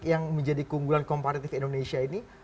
yang menjadi keunggulan komparatif indonesia ini